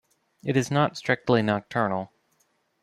It is not strictly nocturnal.